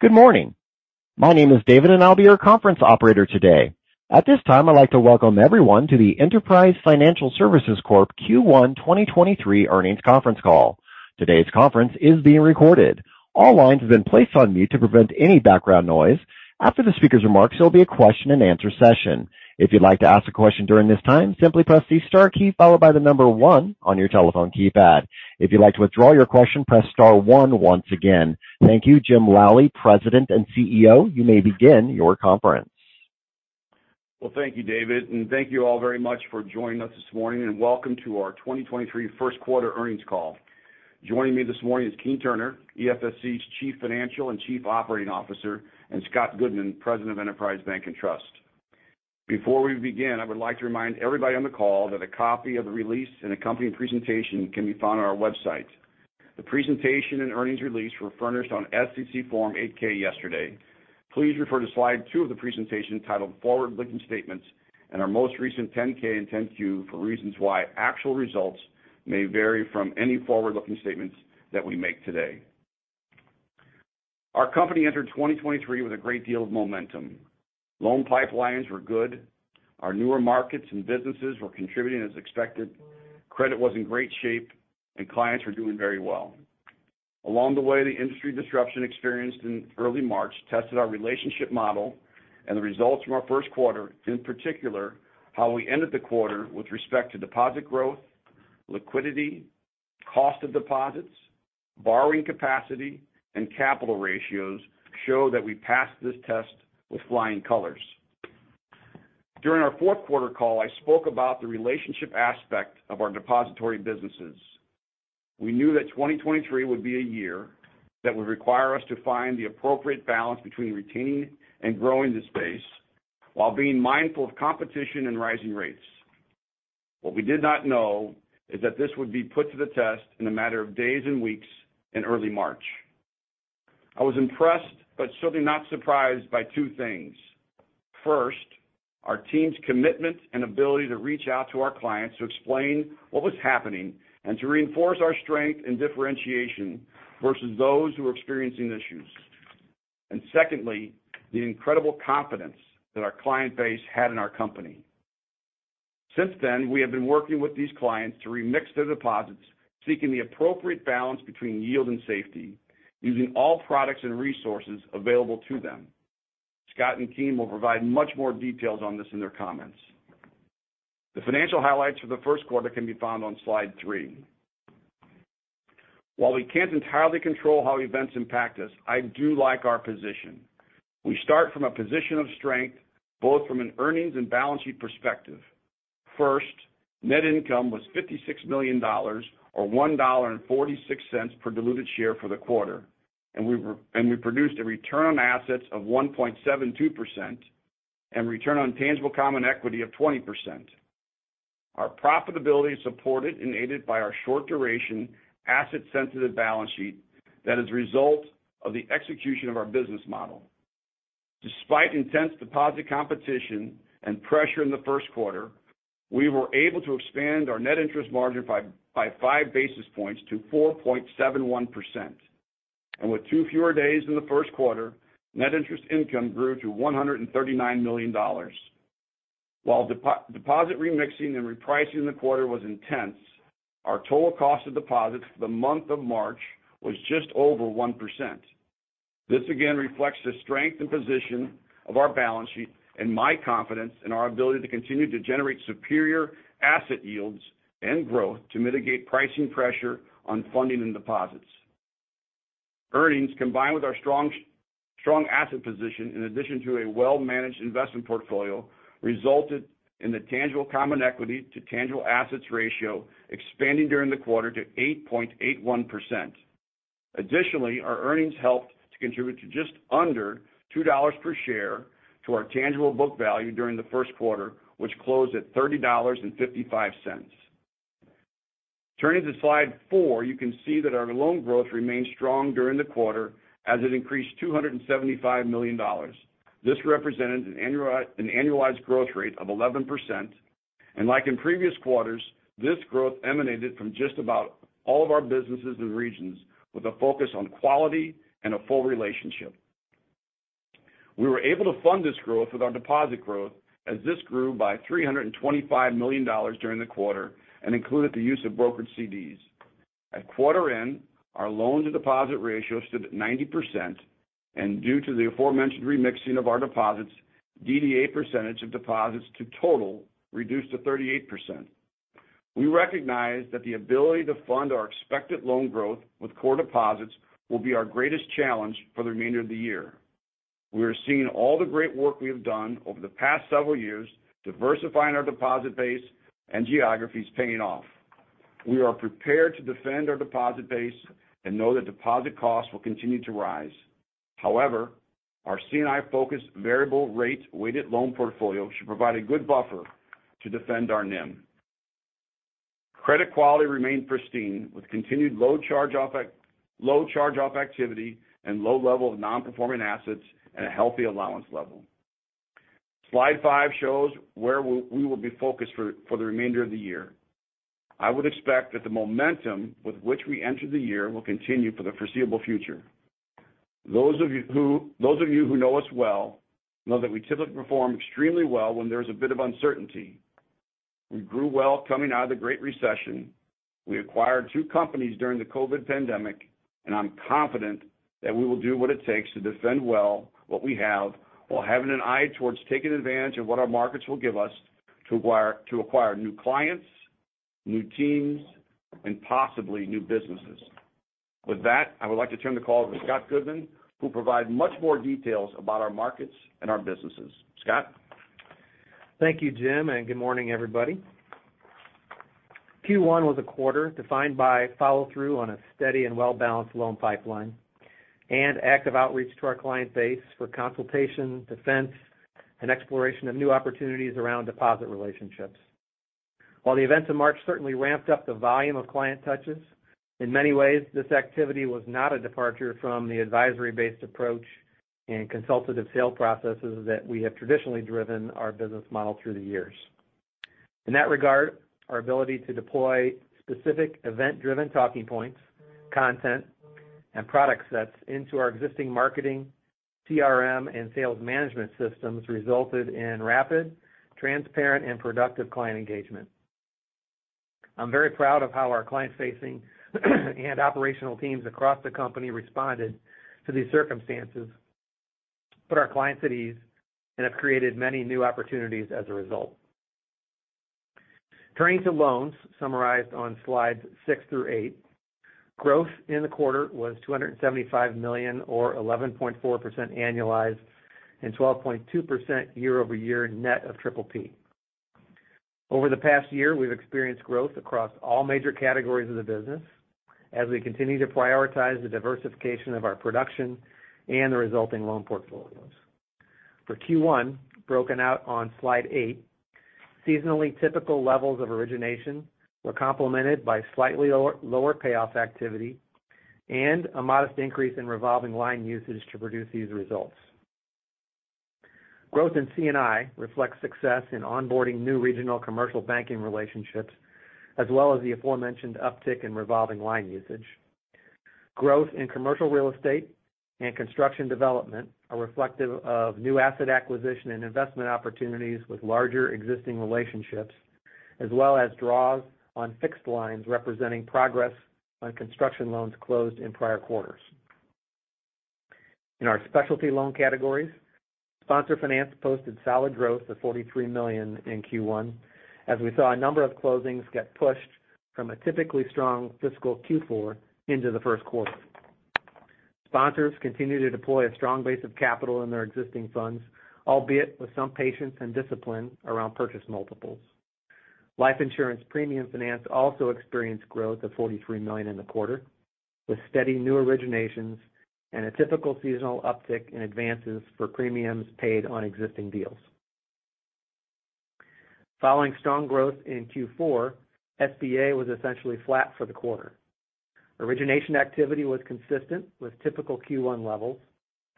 Good morning. My name is David, I'll be your conference operator today. At this time, I'd like to welcome everyone to the Enterprise Financial Services Corp Q1 2023 earnings conference call. Today's conference is being recorded. All lines have been placed on mute to prevent any background noise. After the speaker's remarks, there'll be a question-and-answer session. If you'd like to ask a question during this time, simply press the star key followed by the number one on your telephone keypad. If you'd like to withdraw your question, press star one once again. Thank you. Jim Lally, president and CEO, you may begin your conference. Thank you, David, and thank you all very much for joining us this morning, and welcome to our 2023 first quarter earnings call. Joining me this morning is Keene Turner, EFSC's Chief Financial and Chief Operating Officer, and Scott Goodman, President of Enterprise Bank & Trust. Before we begin, I would like to remind everybody on the call that a copy of the release and accompanying presentation can be found on our website. The presentation and earnings release were furnished on SEC Form 8-K yesterday. Please refer to slide two of the presentation titled Forward-Looking Statements and our most recent 10-K and 10-Q for reasons why actual results may vary from any forward-looking statements that we make today. Our company entered 2023 with a great deal of momentum. Loan pipelines were good. Our newer markets and businesses were contributing as expected. Credit was in great shape. Clients were doing very well. Along the way, the industry disruption experienced in early March tested our relationship model and the results from our first quarter, in particular, how we ended the quarter with respect to deposit growth, liquidity, cost of deposits, borrowing capacity, and capital ratios show that we passed this test with flying colors. During our fourth quarter call, I spoke about the relationship aspect of our depository businesses. We knew that 2023 would be a year that would require us to find the appropriate balance between retaining and growing the space while being mindful of competition and rising rates. What we did not know is that this would be put to the test in a matter of days and weeks in early March. I was impressed, but certainly not surprised by two things. First, our team's commitment and ability to reach out to our clients to explain what was happening and to reinforce our strength and differentiation versus those who are experiencing issues. Secondly, the incredible confidence that our client base had in our company. Since then, we have been working with these clients to remix their deposits, seeking the appropriate balance between yield and safety, using all products and resources available to them. Scott and Keene will provide much more details on this in their comments. The financial highlights for the first quarter can be found on slide three. While we can't entirely control how events impact us, I do like our position. We start from a position of strength, both from an earnings and balance sheet perspective. First, net income was $56 million or $1.46 per diluted share for the quarter, and we produced a return on assets of 1.72% and return on Tangible Common Equity of 20%. Our profitability is supported and aided by our short-duration asset-sensitive balance sheet that is a result of the execution of our business model. Despite intense deposit competition and pressure in the first quarter, we were able to expand our net interest margin by five basis points to 4.71%. With two fewer days in the first quarter, net interest income grew to $139 million. While deposit remixing and repricing in the quarter was intense, our total cost of deposits for the month of March was just over 1%. This again reflects the strength and position of our balance sheet and my confidence in our ability to continue to generate superior asset yields and growth to mitigate pricing pressure on funding and deposits. Earnings, combined with our strong asset position in addition to a well-managed investment portfolio, resulted in the tangible common equity to tangible assets ratio expanding during the quarter to 8.81%. Additionally, our earnings helped to contribute to just under $2 per share to our tangible book value during the first quarter, which closed at $30.55. Turning to slide four, you can see that our loan growth remained strong during the quarter as it increased $275 million. This represented an annualized growth rate of 11%. Like in previous quarters, this growth emanated from just about all of our businesses and regions with a focus on quality and a full relationship. We were able to fund this growth with our deposit growth as this grew by $325 million during the quarter and included the use of brokered CDs. At quarter end, our loan-to-deposit ratio stood at 90%, and due to the aforementioned remixing of our deposits, DDA percentage of deposits to total reduced to 38%. We recognize that the ability to fund our expected loan growth with core deposits will be our greatest challenge for the remainder of the year. We are seeing all the great work we have done over the past several years, diversifying our deposit base and geographies paying off. We are prepared to defend our deposit base and know that deposit costs will continue to rise. However, our C&I-focused variable rate weighted loan portfolio should provide a good buffer to defend our NIM. Credit quality remained pristine with continued low charge-off activity and low level of non-performing assets and a healthy allowance level. Slide five shows where we will be focused for the remainder of the year. I would expect that the momentum with which we entered the year will continue for the foreseeable future. Those of you who know us well know that we typically perform extremely well when there's a bit of uncertainty. We grew well coming out of the Great Recession. We acquired two companies during the COVID pandemic. I'm confident that we will do what it takes to defend well what we have while having an eye towards taking advantage of what our markets will give us to acquire new clients, new teams, and possibly new businesses. With that, I would like to turn the call to Scott Goodman, who'll provide much more details about our markets and our businesses. Scott? Thank you, Jim, and good morning, everybody. Q1 was a quarter defined by follow-through on a steady and well-balanced loan pipeline and active outreach to our client base for consultation, defense, and exploration of new opportunities around deposit relationships. While the events in March certainly ramped up the volume of client touches, in many ways, this activity was not a departure from the advisory-based approach and consultative sale processes that we have traditionally driven our business model through the years. In that regard, our ability to deploy specific event-driven talking points, content, and product sets into our existing marketing, CRM, and sales management systems resulted in rapid, transparent, and productive client engagement. I'm very proud of how our client-facing and operational teams across the company responded to these circumstances, put our clients at ease, and have created many new opportunities as a result. Turning to loans, summarized on slides six through eight, growth in the quarter was $275 million or 11.4% annualized and 12.2% year-over-year net of PPP. Over the past year, we've experienced growth across all major categories of the business as we continue to prioritize the diversification of our production and the resulting loan portfolios. For Q1, broken out on eight, seasonally typical levels of origination were complemented by slightly lower payoff activity and a modest increase in revolving line usage to produce these results. Growth in C&I reflects success in onboarding new regional commercial banking relationships, as well as the aforementioned uptick in revolving line usage. Growth in commercial real estate and construction development are reflective of new asset acquisition and investment opportunities with larger existing relationships, as well as draws on fixed lines representing progress on construction loans closed in prior quarters. In our specialty loan categories, sponsor finance posted solid growth of $43 million in Q1 as we saw a number of closings get pushed from a typically strong fiscal Q4 into the first quarter. Sponsors continue to deploy a strong base of capital in their existing funds, albeit with some patience and discipline around purchase multiples. Life insurance premium finance also experienced growth of $43 million in the quarter, with steady new originations and a typical seasonal uptick in advances for premiums paid on existing deals. Following strong growth in Q4, SBA was essentially flat for the quarter. Origination activity was consistent with typical Q1 levels.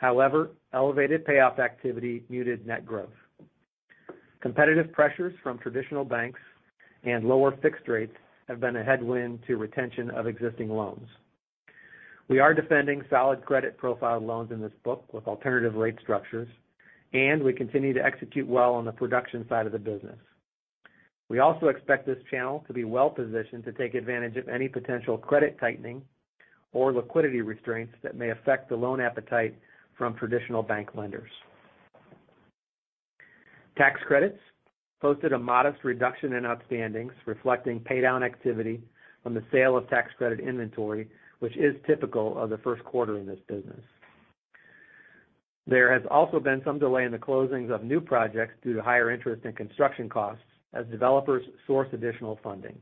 Elevated payoff activity muted net growth. Competitive pressures from traditional banks and lower fixed rates have been a headwind to retention of existing loans. We are defending solid credit profile loans in this book with alternative rate structures, and we continue to execute well on the production side of the business. We also expect this channel to be well-positioned to take advantage of any potential credit tightening or liquidity restraints that may affect the loan appetite from traditional bank lenders. Tax credits posted a modest reduction in outstandings, reflecting paydown activity on the sale of tax credit inventory, which is typical of the first quarter in this business. There has also been some delay in the closings of new projects due to higher interest in construction costs as developers source additional funding.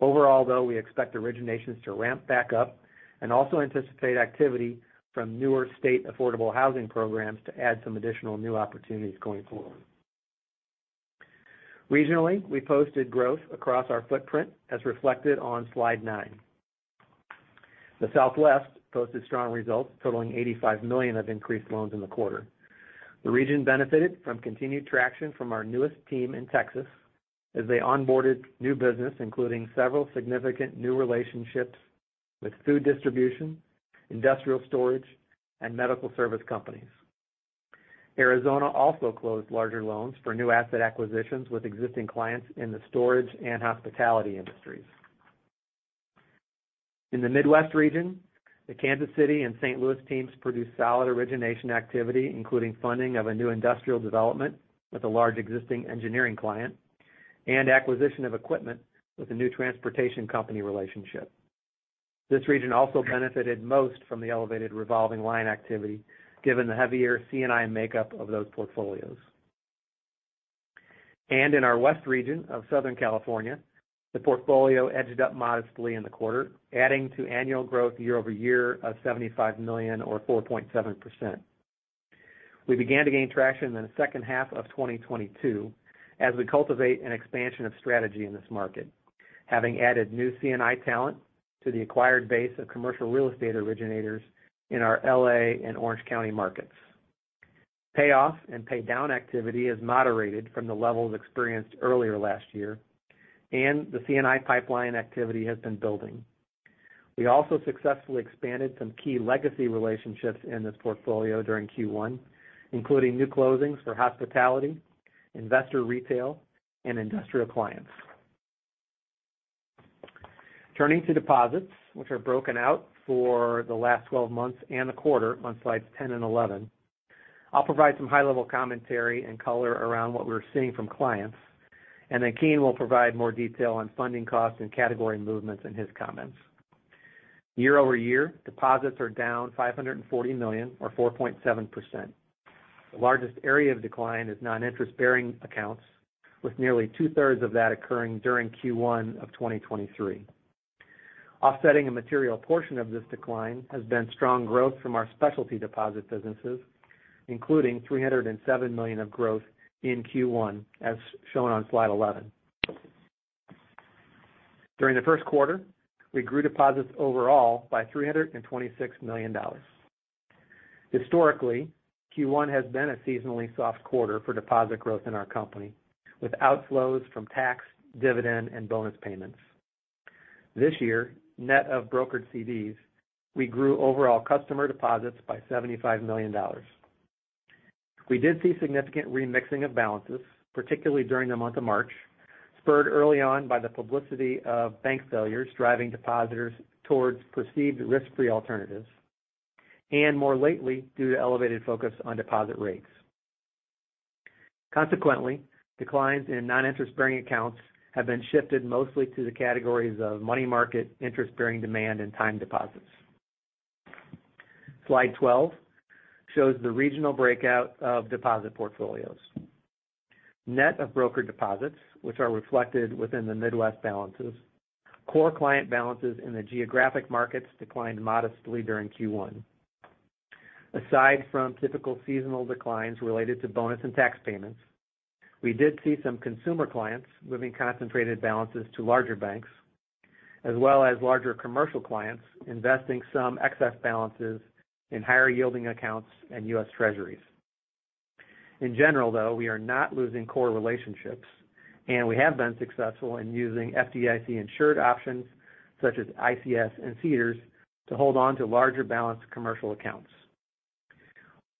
Overall, though, we expect originations to ramp back up and also anticipate activity from newer state affordable housing programs to add some additional new opportunities going forward. Regionally, we posted growth across our footprint as reflected on slide nine. The Southwest posted strong results totaling $85 million of increased loans in the quarter. The region benefited from continued traction from our newest team in Texas as they onboarded new business, including several significant new relationships with food distribution, industrial storage, and medical service companies. Arizona also closed larger loans for new asset acquisitions with existing clients in the storage and hospitality industries. In the Midwest region, the Kansas City and St. Louis teams produced solid origination activity, including funding of a new industrial development with a large existing engineering client and acquisition of equipment with a new transportation company relationship. This region also benefited most from the elevated revolving line activity, given the heavier C&I makeup of those portfolios. In our West region of Southern California, the portfolio edged up modestly in the quarter, adding to annual growth year-over-year of $75 million or 4.7%. We began to gain traction in the second half of 2022 as we cultivate an expansion of strategy in this market, having added new C&I talent to the acquired base of commercial real estate originators in our L.A. and Orange County markets. Payoff and pay down activity has moderated from the levels experienced earlier last year, and the C&I pipeline activity has been building. We also successfully expanded some key legacy relationships in this portfolio during Q1, including new closings for hospitality, investor retail and industrial clients. Turning to deposits, which are broken out for the last 12 months and the quarter on slides 10 and 11. I'll provide some high-level commentary and color around what we're seeing from clients. Keene will provide more detail on funding costs and category movements in his comments. Year-over-year, deposits are down $540 million or 4.7%. The largest area of decline is non-interest-bearing accounts, with nearly two-thirds of that occurring during Q1 of 2023. Offsetting a material portion of this decline has been strong growth from our specialty deposit businesses, including $307 million of growth in Q1 as shown on slide 11. During the first quarter, we grew deposits overall by $326 million. Historically, Q1 has been a seasonally soft quarter for deposit growth in our company, with outflows from tax, dividend and bonus payments. This year, net of brokered CDs, we grew overall customer deposits by $75 million. We did see significant remixing of balances, particularly during the month of March, spurred early on by the publicity of bank failures driving depositors towards perceived risk-free alternatives, and more lately, due to elevated focus on deposit rates. Consequently, declines in non-interest-bearing accounts have been shifted mostly to the categories of money market, interest-bearing demand and time deposits. Slide 12 shows the regional breakout of deposit portfolios. Net of broker deposits, which are reflected within the Midwest balances, core client balances in the geographic markets declined modestly during Q1. Aside from typical seasonal declines related to bonus and tax payments, we did see some consumer clients moving concentrated balances to larger banks, as well as larger commercial clients investing some excess balances in higher-yielding accounts and U.S. Treasuries. In general, though, we are not losing core relationships, and we have been successful in using FDIC-insured options such as ICS and CDARS to hold on to larger balanced commercial accounts.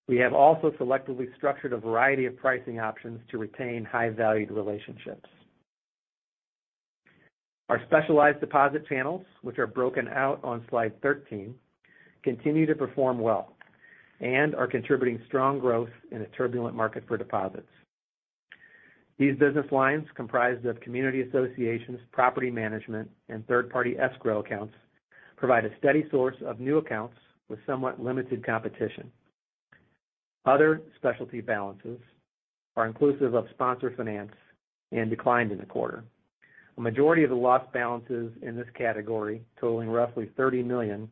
We have also selectively structured a variety of pricing options to retain high-valued relationships. Our specialized deposit channels, which are broken out on slide 13, continue to perform well and are contributing strong growth in a turbulent market for deposits. These business lines, comprised of community associations, property management, and third-party escrow accounts, provide a steady source of new accounts with somewhat limited competition. Other specialty balances are inclusive of sponsor finance and declined in the quarter. A majority of the lost balances in this category, totaling roughly $30 million,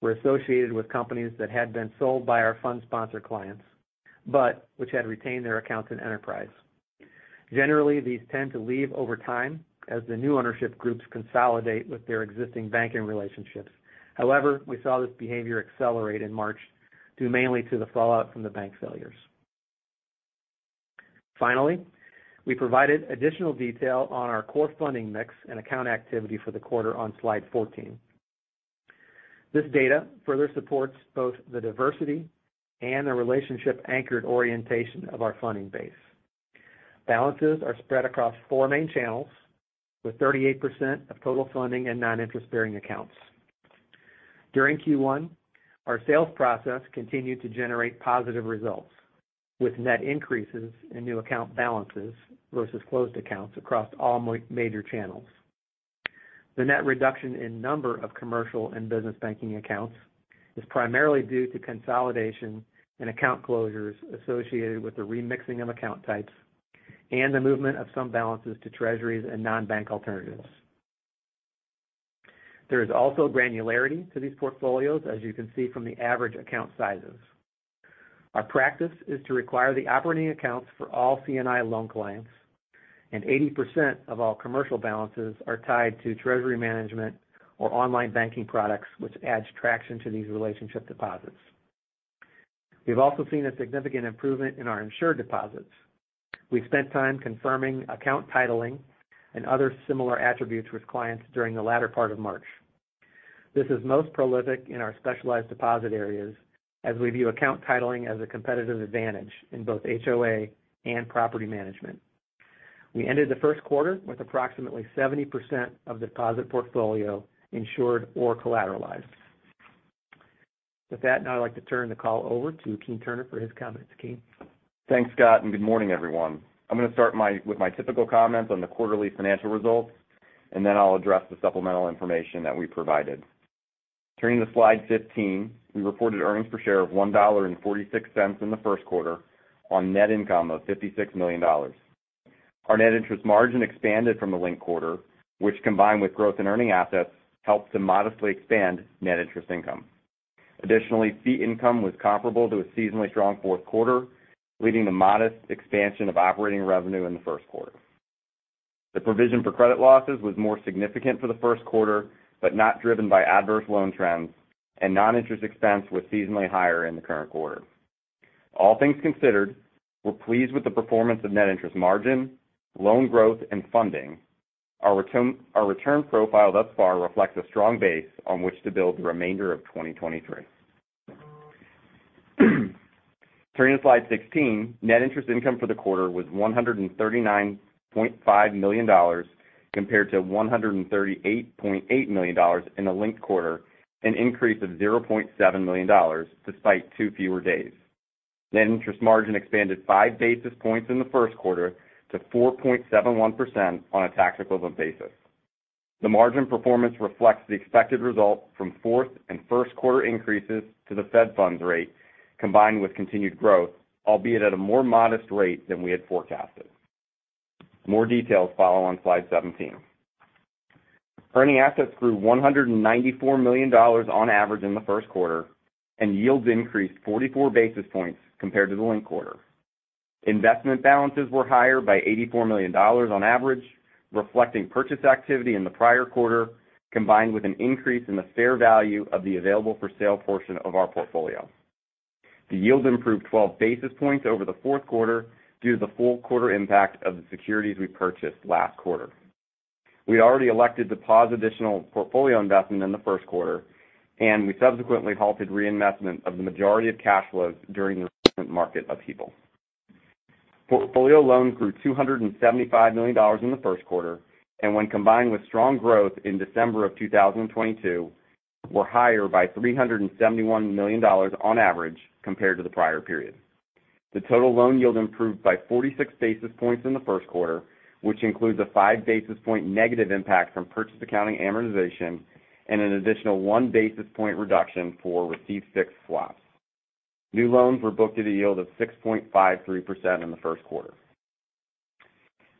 were associated with companies that had been sold by our fund sponsor clients, but which had retained their accounts in Enterprise. Generally, these tend to leave over time as the new ownership groups consolidate with their existing banking relationships. However, we saw this behavior accelerate in March due mainly to the fallout from the bank failures. Finally, we provided additional detail on our core funding mix and account activity for the quarter on slide 14. This data further supports both the diversity and the relationship-anchored orientation of our funding base. Balances are spread across four main channels, with 38% of total funding in non-interest-bearing accounts. During Q1, our sales process continued to generate positive results, with net increases in new account balances versus closed accounts across all major channels. The net reduction in number of commercial and business banking accounts is primarily due to consolidation and account closures associated with the remixing of account types and the movement of some balances to Treasuries and non-bank alternatives. There is also granularity to these portfolios, as you can see from the average account sizes. Our practice is to require the operating accounts for all C&I loan clients. 80% of all commercial balances are tied to treasury management or online banking products, which adds traction to these relationship deposits. We've also seen a significant improvement in our insured deposits. We've spent time confirming account titling and other similar attributes with clients during the latter part of March. This is most prolific in our specialized deposit areas as we view account titling as a competitive advantage in both HOA and property management. We ended the first quarter with approximately 70% of deposit portfolio insured or collateralized. Now I'd like to turn the call over to Keene Turner for his comments. Keene? Thanks, Scott. Good morning, everyone. I'm gonna start with my typical comments on the quarterly financial results. Then I'll address the supplemental information that we provided. Turning to slide 15, we reported earnings per share of $1.46 in the first quarter on net income of $56 million. Our net interest margin expanded from the linked quarter, which combined with growth in earning assets, helped to modestly expand net interest income. Fee income was comparable to a seasonally strong fourth quarter, leading to modest expansion of operating revenue in the first quarter. The provision for credit losses was more significant for the first quarter, not driven by adverse loan trends. Non-interest expense was seasonally higher in the current quarter. All things considered, we're pleased with the performance of net interest margin, loan growth, and funding. Our return profile thus far reflects a strong base on which to build the remainder of 2023. Turning to slide 16, net interest income for the quarter was $139.5 million compared to $138.8 million in the linked quarter, an increase of $0.7 million despite two fewer days. Net interest margin expanded five basis points in the 1st quarter to 4.71% on a tax equivalent basis. The margin performance reflects the expected result from 4th and 1st quarter increases to the Federal Funds rate, combined with continued growth, albeit at a more modest rate than we had forecasted. More details follow on slide 17. Earning assets grew $194 million on average in the first quarter, and yields increased 44 basis points compared to the linked quarter. Investment balances were higher by $84 million on average, reflecting purchase activity in the prior quarter, combined with an increase in the fair value of the available-for-sale portion of our portfolio. The yield improved 12 basis points over the fourth quarter due to the full quarter impact of the securities we purchased last quarter. We had already elected to pause additional portfolio investment in the first quarter, and we subsequently halted reinvestment of the majority of cash flows during the recent market upheaval. Portfolio loans grew $275 million in the first quarter, and when combined with strong growth in December 2022, were higher by $371 million on average compared to the prior period. The total loan yield improved by 46 basis points in the first quarter, which includes a five basis point negative impact from purchase accounting amortization and an additional one basis point reduction for receive-fixed swaps. New loans were booked at a yield of 6.53% in the first quarter.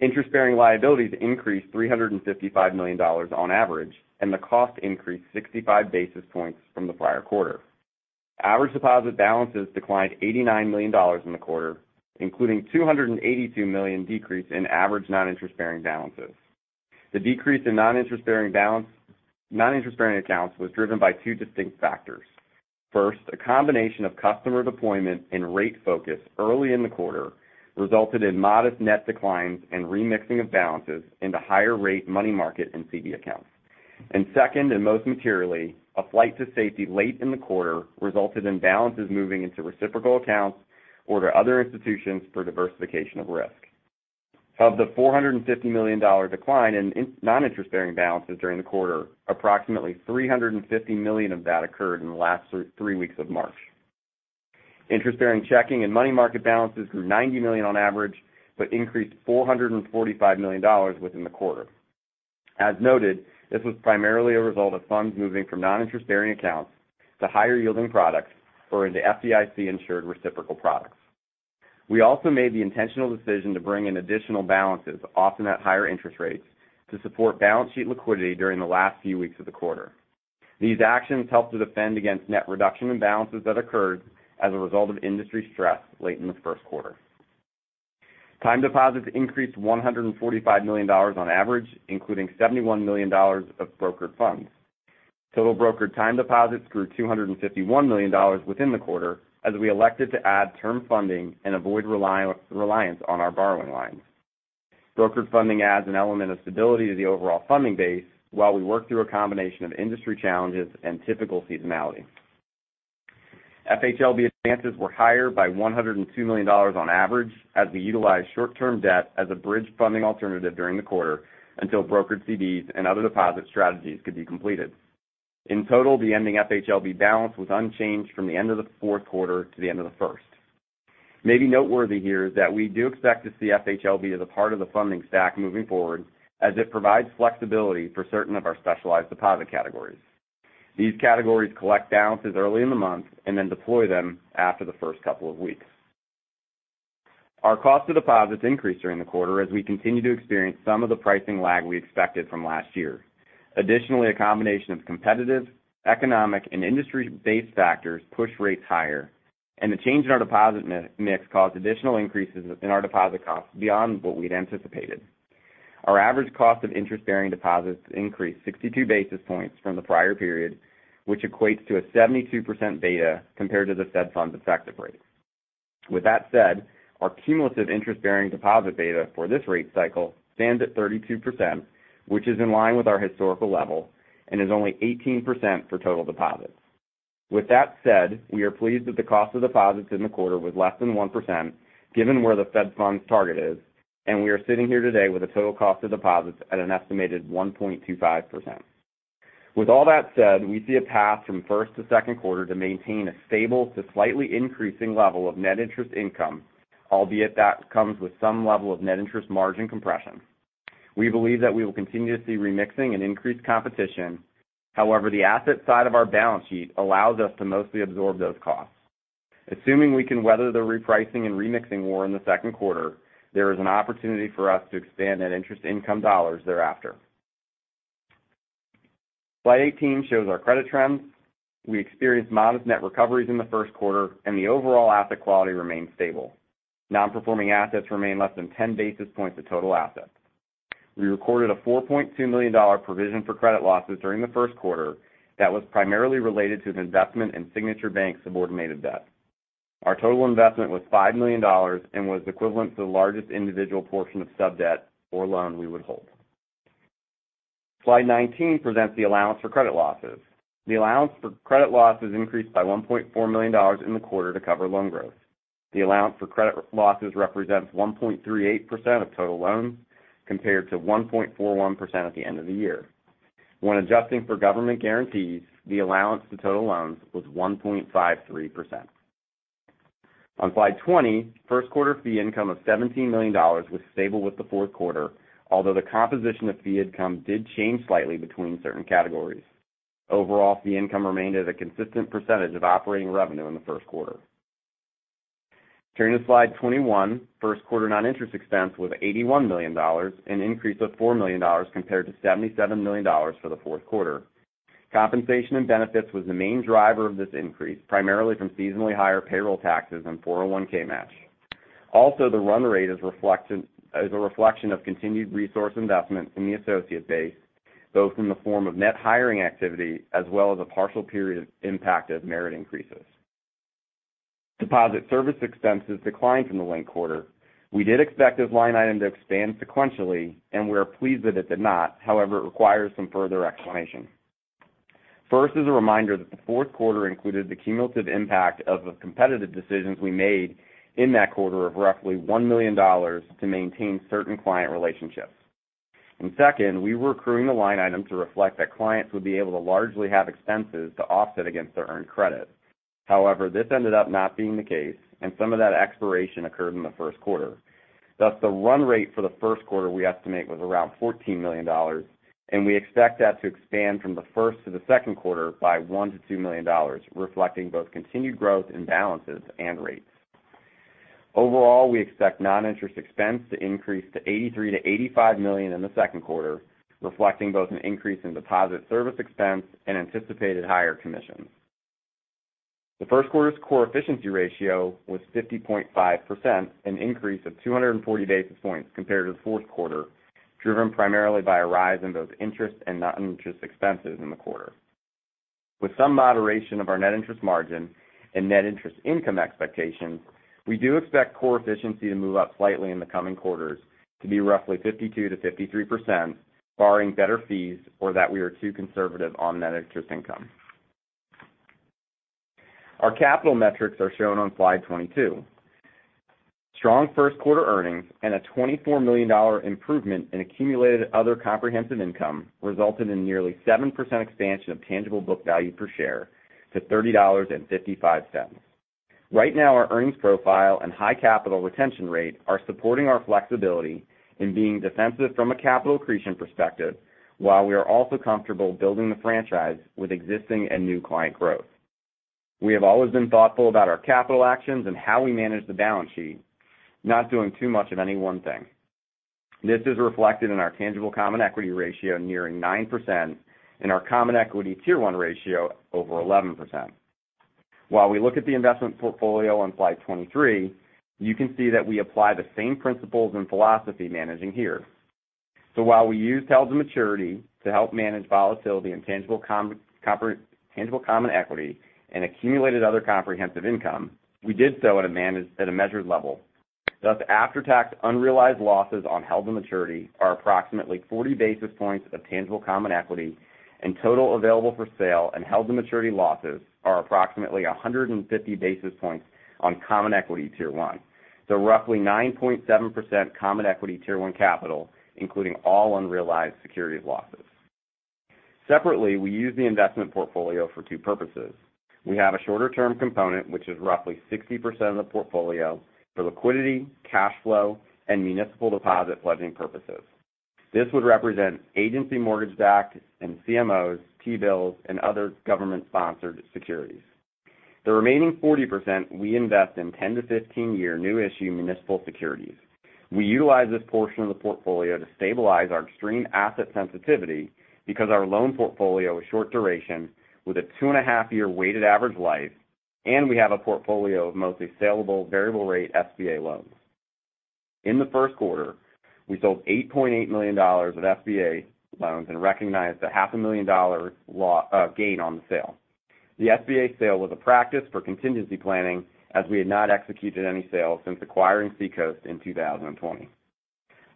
Interest-bearing liabilities increased $355 million on average, and the cost increased 65 basis points from the prior quarter. Average deposit balances declined $89 million in the quarter, including $282 million decrease in average non-interest-bearing balances. The decrease in non-interest-bearing accounts was driven by two distinct factors. First, a combination of customer deployment and rate focus early in the quarter resulted in modest net declines and remixing of balances into higher rate money market and CD accounts. Second, and most materially, a flight to safety late in the quarter resulted in balances moving into reciprocal accounts or to other institutions for diversification of risk. Of the $450 million decline in non-interest-bearing balances during the quarter, approximately $350 million of that occurred in the last three weeks of March. Interest-bearing checking and money market balances grew $90 million on average, but increased $445 million within the quarter. As noted, this was primarily a result of funds moving from non-interest-bearing accounts to higher-yielding products or into FDIC-insured reciprocal products. We also made the intentional decision to bring in additional balances, often at higher interest rates, to support balance sheet liquidity during the last few weeks of the quarter. These actions helped to defend against net reduction in balances that occurred as a result of industry stress late in the first quarter. Time deposits increased $145 million on average, including $71 million of brokered funds. Total brokered time deposits grew $251 million within the quarter as we elected to add term funding and avoid reliance on our borrowing lines. Brokered funding adds an element of stability to the overall funding base while we work through a combination of industry challenges and typical seasonality. FHLB advances were higher by $102 million on average as we utilized short-term debt as a bridge funding alternative during the quarter until brokered CDs and other deposit strategies could be completed. In total, the ending FHLB balance was unchanged from the end of the fourth quarter to the end of the first. Maybe noteworthy here is that we do expect to see FHLB as a part of the funding stack moving forward as it provides flexibility for certain of our specialized deposit categories. These categories collect balances early in the month and then deploy them after the first couple of weeks. Our cost of deposits increased during the quarter as we continue to experience some of the pricing lag we expected from last year. Additionally, a combination of competitive, economic, and industry-based factors pushed rates higher, and the change in our deposit mix caused additional increases in our deposit costs beyond what we'd anticipated. Our average cost of interest-bearing deposits increased 62 basis points from the prior period, which equates to a 72% beta compared to the Fed Funds effective rate. Our cumulative interest-bearing deposit beta for this rate cycle stands at 32%, which is in line with our historical level and is only 18% for total deposits. We are pleased that the cost of deposits in the quarter was less than 1%, given where the Fed Funds target is, and we are sitting here today with a total cost of deposits at an estimated 1.25%. With all that said, we see a path from first to second quarter to maintain a stable to slightly increasing level of net interest income, albeit that comes with some level of net interest margin compression. We believe that we will continue to see remixing and increased competition. However, the asset side of our balance sheet allows us to mostly absorb those costs. Assuming we can weather the repricing and remixing war in the second quarter, there is an opportunity for us to expand net interest income dollars thereafter. Slide 18 shows our credit trends. We experienced modest net recoveries in the first quarter and the overall asset quality remained stable. Non-performing assets remain less than 10 basis points of total assets. We recorded a $4.2 million provision for credit losses during the first quarter that was primarily related to the investment in Signature Bank subordinated debt. Our total investment was $5 million and was equivalent to the largest individual portion of sub-debt or loan we would hold. Slide 19 presents the allowance for credit losses. The allowance for credit losses increased by $1.4 million in the quarter to cover loan growth. The allowance for credit losses represents 1.38% of total loans, compared to 1.41% at the end of the year. When adjusting for government guarantees, the allowance to total loans was 1.53%. On slide 20, first quarter fee income of $17 million was stable with the fourth quarter, although the composition of fee income did change slightly between certain categories. Overall, fee income remained at a consistent percentage of operating revenue in the first quarter. Turning to slide 21, first quarter non-interest expense was $81 million, an increase of $4 million compared to $77 million for the fourth quarter. Compensation and benefits was the main driver of this increase, primarily from seasonally higher payroll taxes and 401(k) match. Also, the run rate is a reflection of continued resource investment in the associate base, both in the form of net hiring activity as well as a partial period impact of merit increases. Deposit service expenses declined from the linked quarter. We did expect this line item to expand sequentially, and we are pleased that it did not. However, it requires some further explanation. First, as a reminder that the fourth quarter included the cumulative impact of the competitive decisions we made in that quarter of roughly $1 million to maintain certain client relationships. Second, we were accruing the line item to reflect that clients would be able to largely have expenses to offset against their earned credit. However, this ended up not being the case, and some of that expiration occurred in the first quarter. Thus, the run rate for the first quarter, we estimate, was around $14 million, and we expect that to expand from the first to the second quarter by $1 million-$2 million, reflecting both continued growth in balances and rates. Overall, we expect non-interest expense to increase to $83 million-$85 million in the second quarter, reflecting both an increase in deposit service expense and anticipated higher commissions. The first quarter's core efficiency ratio was 50.5%, an increase of 240 basis points compared to the fourth quarter, driven primarily by a rise in both interest and non-interest expenses in the quarter. With some moderation of our net interest margin and net interest income expectations, we do expect core efficiency to move up slightly in the coming quarters to be roughly 52%-53%, barring better fees or that we are too conservative on net interest income. Our capital metrics are shown on slide 22. Strong first quarter earnings and a $24 million improvement in Accumulated Other Comprehensive Income resulted in nearly 7% expansion of tangible book value per share to $30.55. Right now, our earnings profile and high capital retention rate are supporting our flexibility in being defensive from a capital accretion perspective, while we are also comfortable building the franchise with existing and new client growth. We have always been thoughtful about our capital actions and how we manage the balance sheet, not doing too much of any one thing. This is reflected in our Tangible Common Equity ratio nearing 9% and our Common Equity Tier 1 ratio over 11%. While we look at the investment portfolio on slide 23, you can see that we apply the same principles and philosophy managing here. while we use held-to-maturity to help manage volatility in Tangible Common Equity and Accumulated Other Comprehensive Income, we did so at a measured level. After-tax unrealized losses on held-to-maturity are approximately 40 basis points of Tangible Common Equity, and total available-for-sale and held-to-maturity losses are approximately 150 basis points on Common Equity Tier 1. Roughly 9.7% Common Equity Tier 1 capital, including all unrealized securities losses. Separately, we use the investment portfolio for two purposes. We have a shorter-term component, which is roughly 60% of the portfolio for liquidity, cash flow, and municipal deposit pledging purposes. This would represent agency mortgage-backed and CMOs, T-bills, and other government-sponsored securities. The remaining 40% we invest in 10-15-year new issue municipal securities. We utilize this portion of the portfolio to stabilize our extreme asset sensitivity because our loan portfolio is short duration with a two-and-a-half-year weighted average life, and we have a portfolio of mostly sellable variable rate SBA loans. In the first quarter, we sold $8.8 million of SBA loans and recognized a half a million dollar gain on the sale. The SBA sale was a practice for contingency planning as we had not executed any sales since acquiring Seacoast in 2020.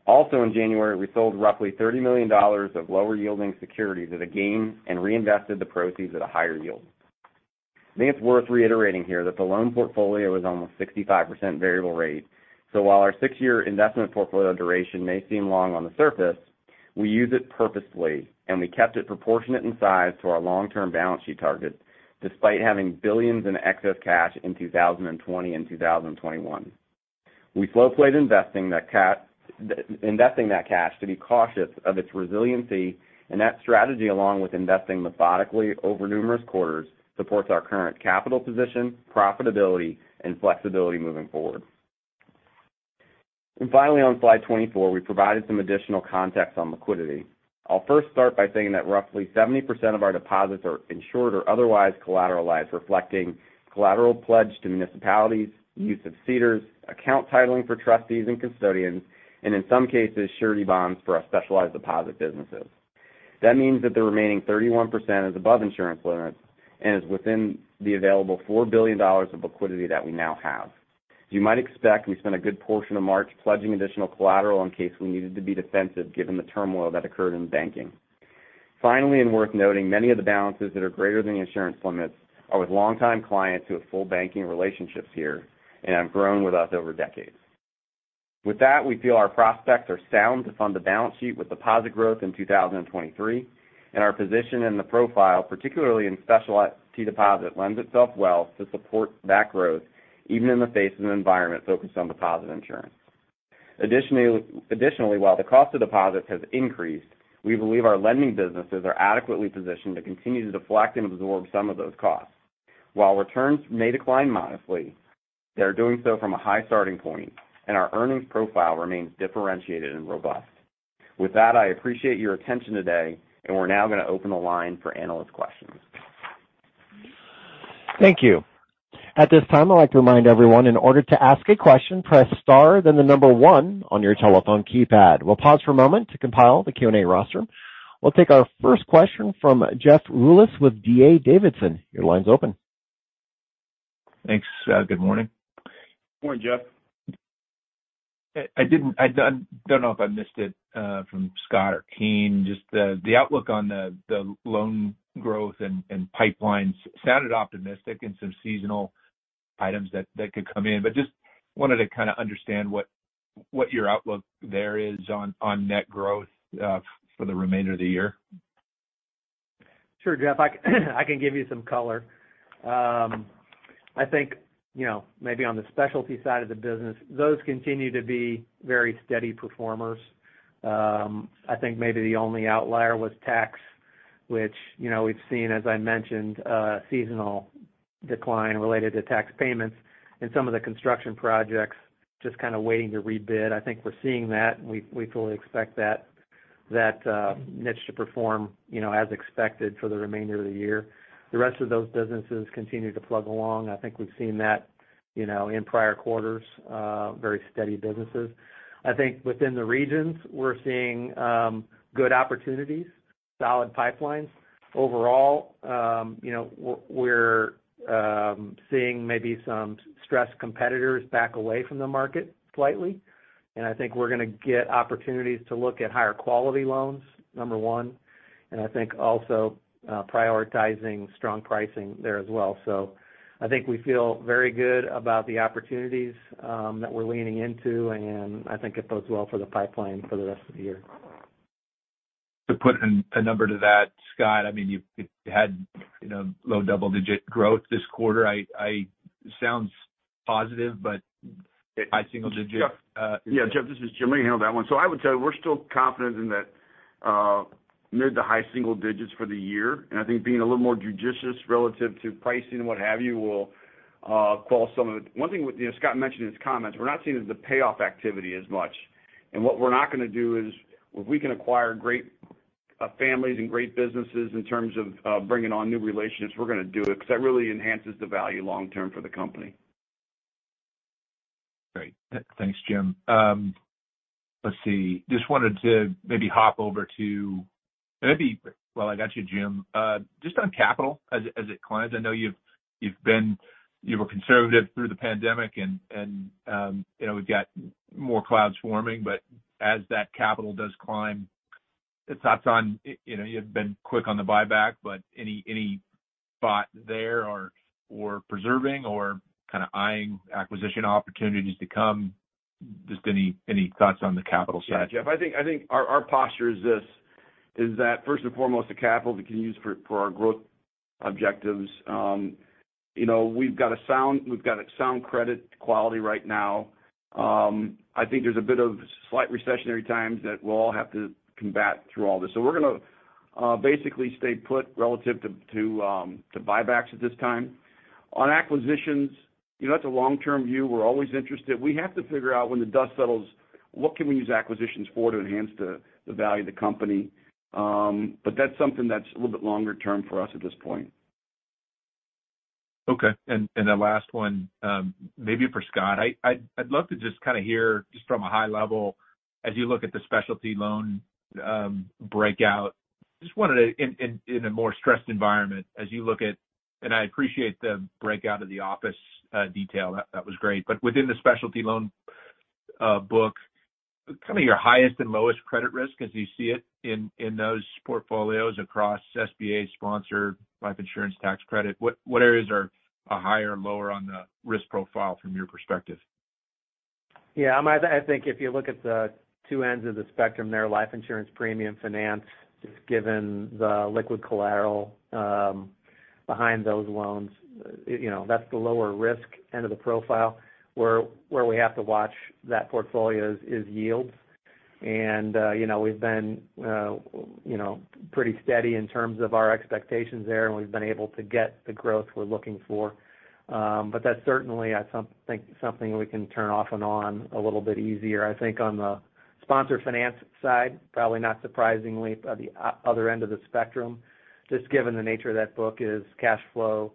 Also, in January, we sold roughly $30 million of lower-yielding securities at a gain and reinvested the proceeds at a higher yield. I think it's worth reiterating here that the loan portfolio is almost 65% variable rate. While our six-year investment portfolio duration may seem long on the surface, we use it purposefully, and we kept it proportionate in size to our long-term balance sheet target despite having billions in excess cash in 2020 and 2021. We slow-played investing that cash to be cautious of its resiliency, and that strategy along with investing methodically over numerous quarters supports our current capital position, profitability, and flexibility moving forward. Finally, on slide 24, we provided some additional context on liquidity. I'll first start by saying that roughly 70% of our deposits are insured or otherwise collateralized, reflecting collateral pledge to municipalities, use of CDARS, account titling for trustees and custodians, and in some cases, surety bonds for our specialized deposit businesses. That means that the remaining 31% is above insurance limits and is within the available $4 billion of liquidity that we now have. As you might expect, we spent a good portion of March pledging additional collateral in case we needed to be defensive given the turmoil that occurred in banking. Finally, and worth noting, many of the balances that are greater than the insurance limits are with longtime clients who have full banking relationships here and have grown with us over decades. With that, we feel our prospects are sound to fund the balance sheet with deposit growth in 2023. Our position in the profile, particularly in specialty deposit, lends itself well to support that growth even in the face of an environment focused on deposit insurance. Additionally, while the cost of deposits has increased, we believe our lending businesses are adequately positioned to continue to deflect and absorb some of those costs. While returns may decline modestly, they are doing so from a high starting point. Our earnings profile remains differentiated and robust. With that, I appreciate your attention today. We're now gonna open the line for analyst questions. Thank you. At this time, I'd like to remind everyone, in order to ask a question, press star then the number one on your telephone keypad. We'll pause for a moment to compile the Q&A roster. We'll take our first question from Jeffrey Rulis with D.A. Davidson. Your line's open. Thanks. Good morning. Morning, Jeff. I don't know if I missed it from Scott or Keene, just the outlook on the loan growth and pipelines sounded optimistic and some seasonal items that could come in. Just wanted to kinda understand what your outlook there is on net growth for the remainder of the year. Sure, Jeff. I can give you some color. I think, you know, maybe on the specialty side of the business, those continue to be very steady performers. I think maybe the only outlier was tax, which, you know, we've seen, as I mentioned, a seasonal decline related to tax payments and some of the construction projects just kind of waiting to rebid. I think we're seeing that, we fully expect that niche to perform, you know, as expected for the remainder of the year. The rest of those businesses continue to plug along. I think we've seen that, you know, in prior quarters, very steady businesses. I think within the regions, we're seeing good opportunities, solid pipelines. Overall, you know, we're seeing maybe some stress competitors back away from the market slightly. I think we're gonna get opportunities to look at higher quality loans, number one, and I think also, prioritizing strong pricing there as well. I think we feel very good about the opportunities, that we're leaning into, and I think it bodes well for the pipeline for the rest of the year. To put a number to that, Scott, I mean, it had, you know, low double-digit growth this quarter. Sounds positive, but high single-digit. Yeah, Jeff, this is Jim. Let me handle that one. I would tell you we're still confident in that mid to high single digits for the year. I think being a little more judicious relative to pricing and what have you will quell some of it. One thing with, you know, Scott mentioned in his comments, we're not seeing the payoff activity as much. What we're not gonna do is if we can acquire great families and great businesses in terms of bringing on new relationships, we're gonna do it because that really enhances the value long term for the company. Great. Thanks, Jim. Let's see. Just wanted to maybe hop over to maybe while I got you, Jim, just on capital as it climbs. I know you were conservative through the pandemic and, you know, we've got more clouds forming. As that capital does climb, just thoughts on, you know, you've been quick on the buyback, but any thought there or preserving or kind of eyeing acquisition opportunities to come? Just any thoughts on the capital side? Jeff, I think our posture is this, first and foremost, the capital we can use for our growth objectives. You know, we've got a sound credit quality right now. I think there's a bit of slight recessionary times that we'll all have to combat through all this. We're gonna basically stay put relative to buybacks at this time. On acquisitions, you know, that's a long-term view. We're always interested. We have to figure out when the dust settles, what can we use acquisitions for to enhance the value of the company. That's something that's a little bit longer term for us at this point. Okay. The last one, maybe for Scott. I'd love to just kind of hear just from a high level as you look at the specialty loan breakout. Just wanted to in a more stressed environment as you look at. And I appreciate the breakout of the office detail. That was great. Within the specialty loan book, kind of your highest and lowest credit risk as you see it in those portfolios across SBA, sponsored life insurance tax credit, what areas are higher and lower on the risk profile from your perspective? Yeah. I mean, I think if you look at the two ends of the spectrum there, life insurance premium finance, just given the liquid collateral, behind those loans, you know, that's the lower risk end of the profile. Where we have to watch that portfolio is yields and, you know, we've been, you know, pretty steady in terms of our expectations there, and we've been able to get the growth we're looking for. That's certainly, I think something we can turn off and on a little bit easier. I think on the sponsor finance side, probably not surprisingly, at the other end of the spectrum, just given the nature of that book is cashflow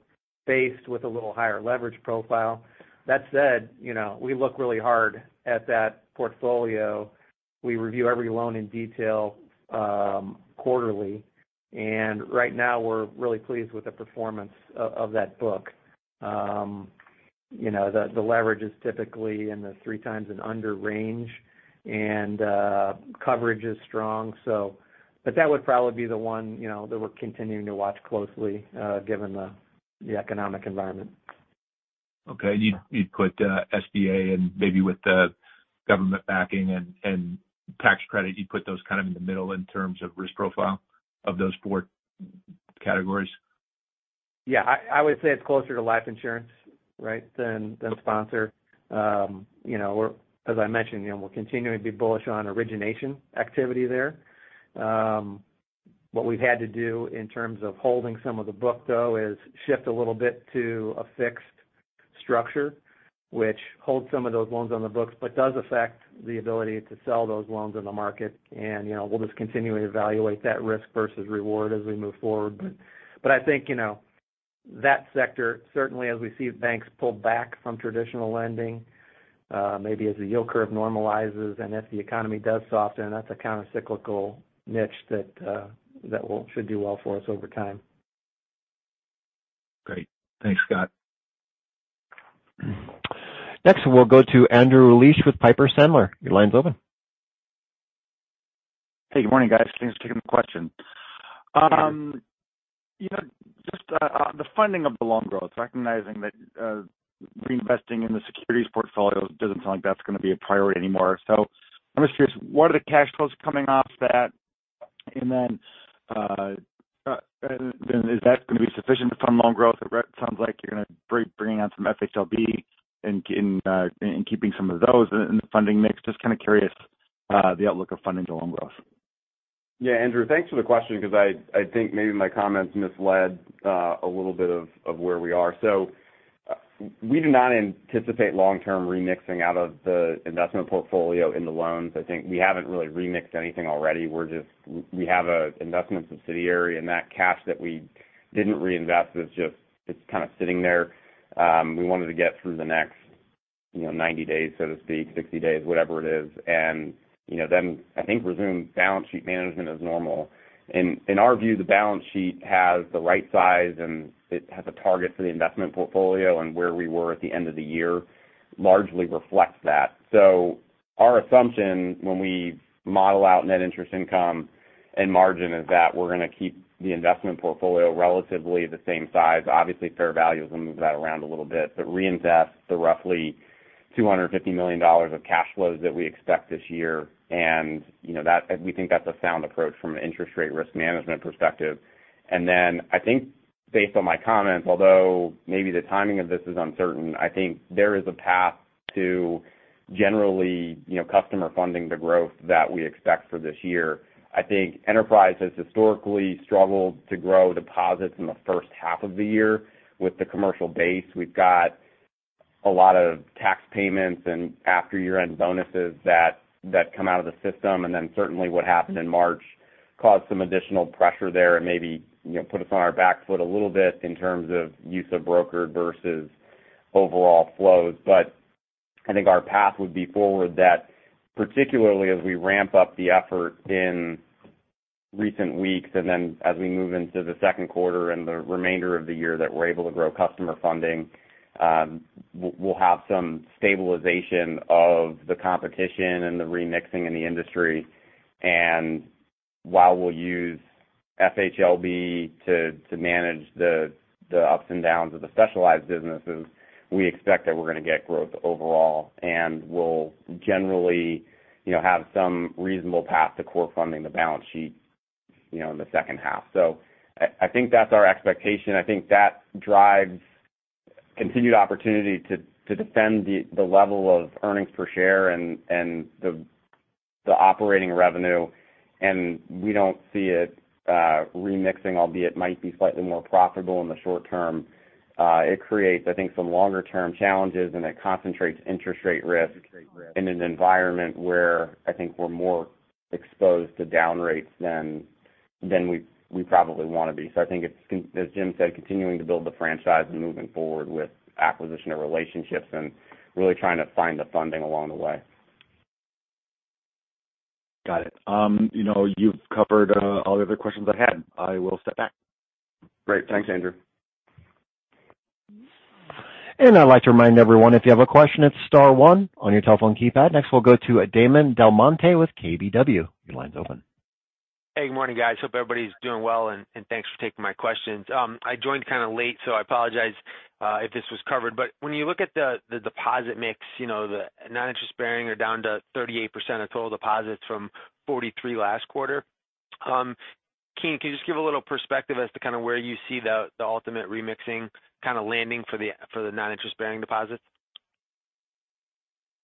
based with a little higher leverage profile. That said, you know, we look really hard at that portfolio. We review every loan in detail, quarterly. Right now, we're really pleased with the performance of that book. you know, the leverage is typically in the 3x and under range, and, coverage is strong. That would probably be the one, you know, that we're continuing to watch closely, given the economic environment. Okay. You'd put SBA and maybe with the government backing and tax credit, you'd put those kind of in the middle in terms of risk profile of those four categories? Yeah. I would say it's closer to life insurance, right, than sponsor. You know, as I mentioned, you know, we're continuing to be bullish on origination activity there. What we've had to do in terms of holding some of the book though is shift a little bit to a fixed structure, which holds some of those loans on the books, but does affect the ability to sell those loans in the market. You know, we'll just continually evaluate that risk versus reward as we move forward. I think, you know, that sector, certainly as we see banks pull back from traditional lending, maybe as the yield curve normalizes and if the economy does soften, that's a countercyclical niche that, should do well for us over time. Great. Thanks, Scott. We'll go to Andrew Liesch with Piper Sandler. Your line's open. Hey, good morning, guys. Thanks for taking the question. you know, just on the funding of the loan growth, recognizing that reinvesting in the securities portfolio doesn't sound like that's gonna be a priority anymore. I'm just curious, what are the cash flows coming off that? Then is that gonna be sufficient to fund loan growth? It sounds like you're gonna bring on some FHLB and keeping some of those in the funding mix. Just kind of curious, the outlook of funding the loan growth. Yeah. Andrew, thanks for the question because I think maybe my comments misled a little bit of where we are. We do not anticipate long-term remixing out of the investment portfolio in the loans. I think we haven't really remixed anything already. We have an investment subsidiary, and that cash that we didn't reinvest is just, it's kind of sitting there. We wanted to get through the next, you know, 90 days, so to speak, 60 days, whatever it is. You know, then I think resume balance sheet management is normal. In our view, the balance sheet has the right size, and it has a target for the investment portfolio. Where we were at the end of the year largely reflects that. Our assumption when we model out net interest income and margin is that we're gonna keep the investment portfolio relatively the same size. Obviously, fair value is gonna move that around a little bit. Reinvest the roughly $250 million of cash flows that we expect this year. You know, we think that's a sound approach from an interest rate risk management perspective. Then I think based on my comments, although maybe the timing of this is uncertain, I think there is a path to generally, you know, customer funding the growth that we expect for this year. I think Enterprise has historically struggled to grow deposits in the first half of the year. With the commercial base, we've got a lot of tax payments and after year-end bonuses that come out of the system. Certainly what happened in March caused some additional pressure there and maybe, you know, put us on our back foot a little bit in terms of use of broker versus overall flows. I think our path would be forward that particularly as we ramp up the effort in recent weeks and then as we move into the second quarter and the remainder of the year that we're able to grow customer funding, we'll have some stabilization of the competition and the remixing in the industry. While we'll use FHLB to manage the ups and downs of the specialized businesses, we expect that we're gonna get growth overall, and we'll generally, you know, have some reasonable path to core funding the balance sheet, you know, in the second half. I think that's our expectation. I think that drives continued opportunity to defend the level of earnings per share and the operating revenue. We don't see it remixing, albeit might be slightly more profitable in the short term. It creates, I think, some longer term challenges, and it concentrates interest rate risk in an environment where I think we're more exposed to down rates than we probably wanna be. I think it's as Jim said, continuing to build the franchise and moving forward with acquisition of relationships and really trying to find the funding along the way. Got it. You know, you've covered all the other questions I had. I will step back. Great. Thanks, Andrew. I'd like to remind everyone, if you have a question, it's star one on your telephone keypad. Next, we'll go to Damon DelMonte with KBW. Your line's open. Hey, good morning, guys. Hope everybody's doing well, and thanks for taking my questions. I joined kind of late, so I apologize if this was covered. When you look at the deposit mix, you know, the non-interest bearing are down to 38% of total deposits from 43% last quarter. Keen, can you just give a little perspective as to kinda where you see the ultimate remixing kinda landing for the, for the non-interest-bearing deposits?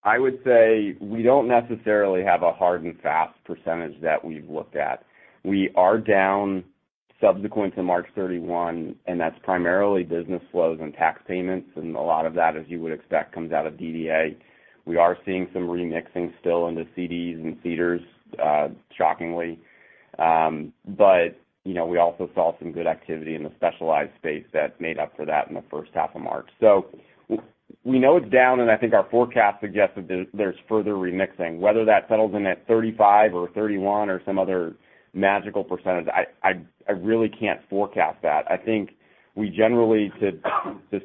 I would say we don't necessarily have a hard and fast percentage that we've looked at. We are down subsequent to March 31, and that's primarily business flows and tax payments, and a lot of that, as you would expect, comes out of DDA. We are seeing some remixing still in the CDs and CDARS, shockingly. You know, we also saw some good activity in the specialized space that made up for that in the first half of March. We know it's down, and I think our forecast suggests that there's further remixing. Whether that settles in at 35% or 31% or some other magical percentage, I really can't forecast that. I think we generally to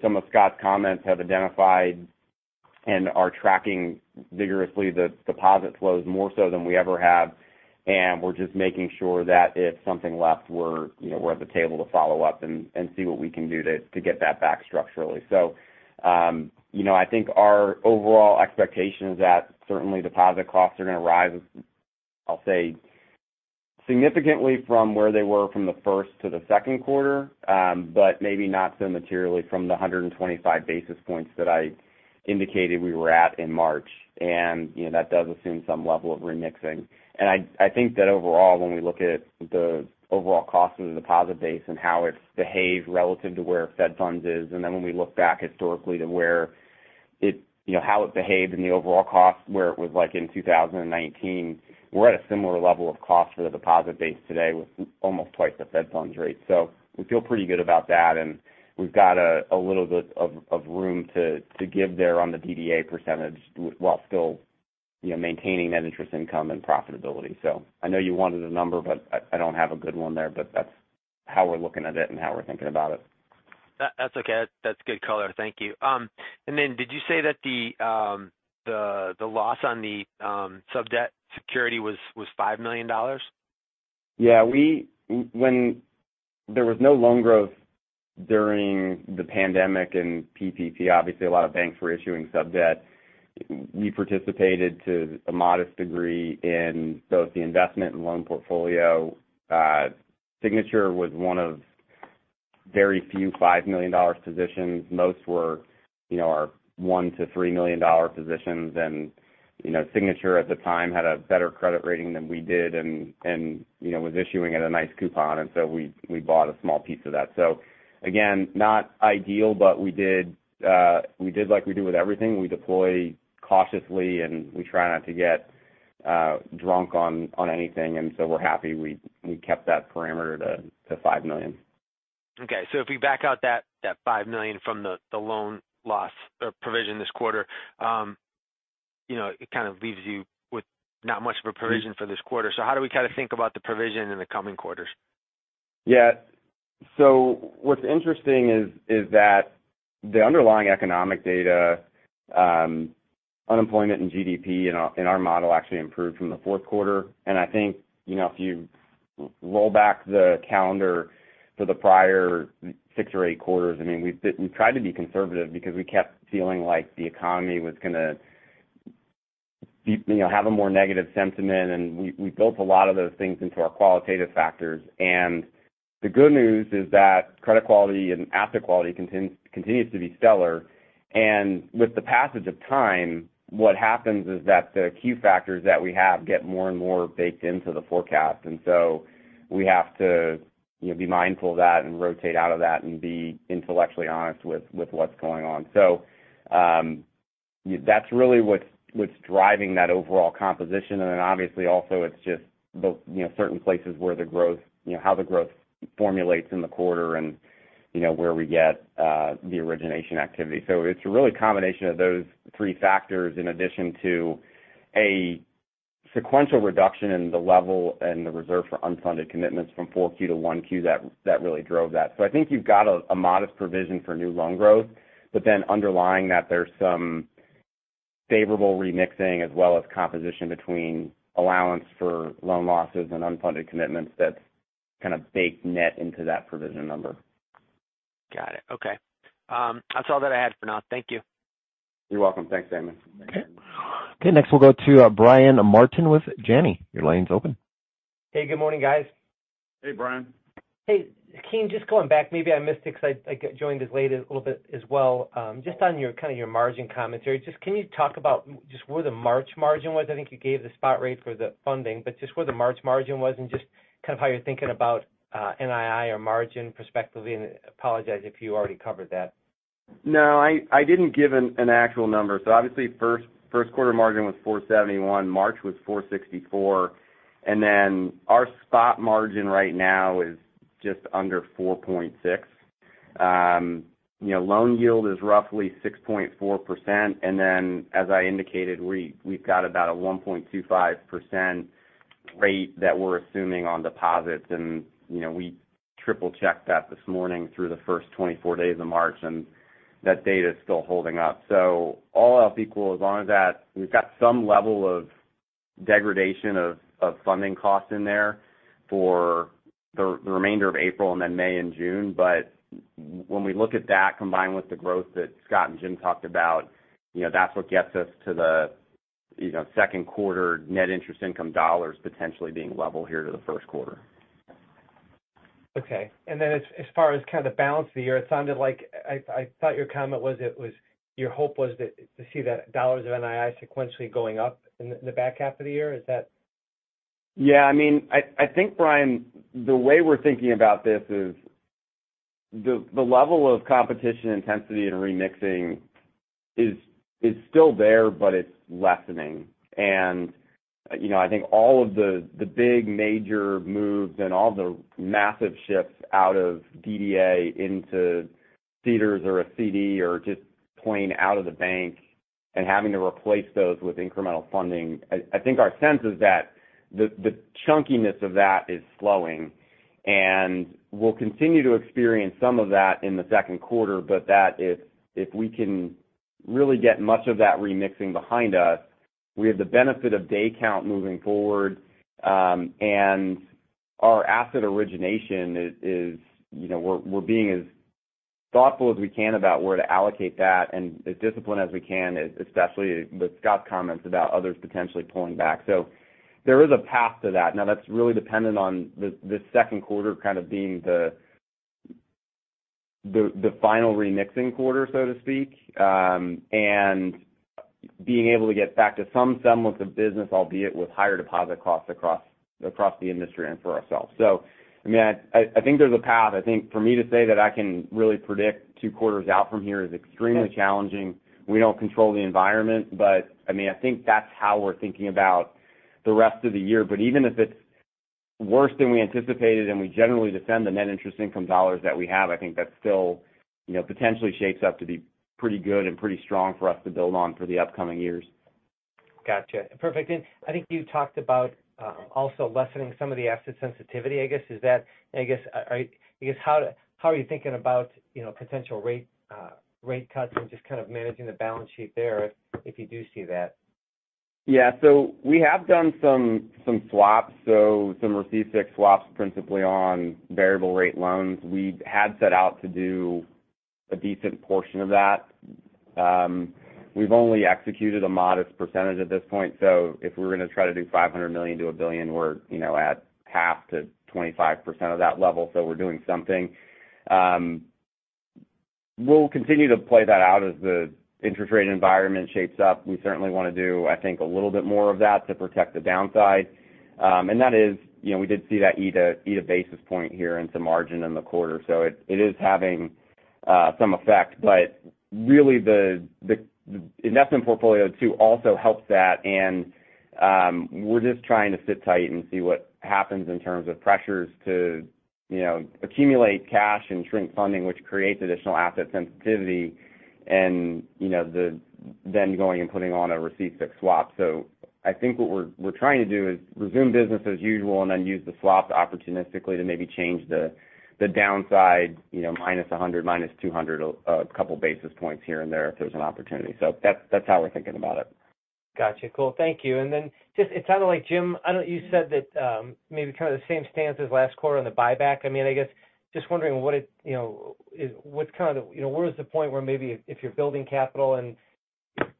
some of Scott's comments, have identified and are tracking vigorously the deposit flows more so than we ever have, and we're just making sure that if something left, we're, you know, at the table to follow up and see what we can do to get that back structurally. You know, I think our overall expectation is that certainly deposit costs are gonna rise, I'll say significantly from where they were from the first to the second quarter, but maybe not so materially from the 125 basis points that I indicated we were at in March. You know, that does assume some level of remixing. I think that overall, when we look at the overall cost of the deposit base and how it's behaved relative to where Fed funds is, and then when we look back historically to where it, you know, how it behaved in the overall cost, where it was like in 2019, we're at a similar level of cost for the deposit base today with almost 2x the Fed funds rate. We feel pretty good about that, and we've got a little bit of room to give there on the DDA % while still, you know, maintaining that interest income and profitability. I know you wanted a number, but I don't have a good one there, but that's how we're looking at it and how we're thinking about it. That's okay. That's good color. Thank you. Then did you say that the loss on the sub-debt security was $5 million? Yeah. When there was no loan growth during the pandemic and PPP, obviously a lot of banks were issuing sub-debt. We participated to a modest degree in both the investment and loan portfolio. Signature was one of very few $5 million positions. Most were, you know, are $1 million-$3 million positions. You know, Signature at the time had a better credit rating than we did and, you know, was issuing at a nice coupon. We bought a small piece of that. Again, not ideal, but we did, we did like we do with everything. We deploy cautiously, and we try not to get, drunk on anything, and so we're happy we kept that parameter to $5 million. Okay. If we back out that $5 million from the loan loss provision this quarter, you know, it kind of leaves you with not much of a provision for this quarter. How do we kinda think about the provision in the coming quarters? What's interesting is that the underlying economic data, unemployment and GDP in our, in our model actually improved from the fourth quarter. I think, you know, if you roll back the calendar for the prior six or eight quarters, I mean, we've tried to be conservative because we kept feeling like the economy was gonna be, you know, have a more negative sentiment, and we built a lot of those things into our qualitative factors. The good news is that credit quality and asset quality continues to be stellar. With the passage of time, what happens is that the key factors that we have get more and more baked into the forecast. We have to, you know, be mindful of that and rotate out of that and be intellectually honest with what's going on. That's really what's driving that overall composition. Obviously also it's just, the, you know, certain places where the growth, you know, how the growth formulates in the quarter and, you know, where we get the origination activity. It's really a combination of those three factors in addition to a sequential reduction in the level and the reserve for unfunded commitments from 4Q to 1Q that really drove that. I think you've got a modest provision for new loan growth, but then underlying that, there's some favorable remixing as well as composition between allowance for loan losses and unfunded commitments that kind of bake net into that provision number. Got it. Okay. That's all that I had for now. Thank you. You're welcome. Thanks, Damon. Okay. Okay, next we'll go to Brian Martin with Janney. Your line's open. Hey, good morning, guys. Hey, Brian. Hey, Keen, just going back, maybe I missed it 'cause I joined this late a little bit as well. Just on your, kind of your margin commentary, just can you talk about just where the March margin was? I think you gave the spot rate for the funding, but just where the March margin was and just kind of how you're thinking about NII or margin prospectively, and apologize if you already covered that. No, I didn't give an actual number. Obviously first quarter margin was 471%, March was 464%, then our spot margin right now is just under 4.6%. You know, loan yield is roughly 6.4%. Then as I indicated, we've got about a 1.25% rate that we're assuming on deposits, you know, we triple-checked that this morning through the first 24 days of March, and that data is still holding up. All else equal as long as that we've got some level of degradation of funding costs in there for the remainder of April then May and June. When we look at that combined with the growth that Scott and Jim talked about, you know, that's what gets us to the, you know, second quarter net interest income dollars potentially being level here to the first quarter. Okay. As far as kind of balance of the year, it sounded like I thought your comment was your hope was that to see that dollars of NII sequentially going up in the back half of the year. Is that? Yeah. I mean, I think, Brian, the way we're thinking about this is the level of competition intensity and remixing is still there, but it's lessening. You know, I think all of the big major moves and all the massive shifts out of DDA into CDARS or a CD or just plain out of the bank and having to replace those with incremental funding, I think our sense is that the chunkiness of that is slowing. We'll continue to experience some of that in the second quarter, but that if we can really get much of that remixing behind us, we have the benefit of day count moving forward, and our asset origination is, you know, we're being as thoughtful as we can about where to allocate that and as disciplined as we can, especially with Scott's comments about others potentially pulling back. There is a path to that. Now that's really dependent on the second quarter kind of being the final remixing quarter, so to speak, and being able to get back to some semblance of business, albeit with higher deposit costs across the industry and for ourselves. I mean, I think there's a path. I think for me to say that I can really predict two quarters out from here is extremely challenging. We don't control the environment, I mean, I think that's how we're thinking about the rest of the year. Even if it's worse than we anticipated, and we generally defend the net interest income dollars that we have, I think that still, you know, potentially shapes up to be pretty good and pretty strong for us to build on for the upcoming years. Gotcha. Perfect. I think you talked about also lessening some of the asset sensitivity, I guess. Is that, I guess, because how are you thinking about, you know, potential rate cuts and just kind of managing the balance sheet there if you do see that? We have done some swaps, some receive-fixed swaps principally on variable rate loans. We had set out to do a decent portion of that. We've only executed a modest percentage at this point. If we were gonna try to do $500 million to $1 billion, we're, you know, at half to 25% of that level, we're doing something. We'll continue to play that out as the interest rate environment shapes up. We certainly wanna do, I think, a little bit more of that to protect the downside. That is, you know, we did see that EDA basis point here and some margin in the quarter. It is having some effect. Really the investment portfolio too also helps that. We're just trying to sit tight and see what happens in terms of pressures to, you know, accumulate cash and shrink funding, which creates additional asset sensitivity and, you know, then going and putting on a receive-fixed swap. I think what we're trying to do is resume business as usual and then use the swap opportunistically to maybe change the downside, you know, -100, -200, a couple basis points here and there if there's an opportunity. That's how we're thinking about it. Gotcha. Cool. Thank you. Just it sounded like, Jim, I know you said that, maybe kind of the same stance as last quarter on the buyback. I mean, I guess just wondering what, you know, what's kind of the, you know, where is the point where maybe if you're building capital and